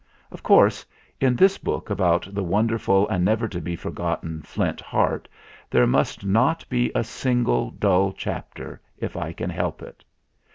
Of course, in this book about the wonderful and never to be forgotten Flint Heart there must not be a single dull chapter, if I can help it.